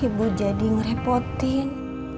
ibu jadi ngerepotin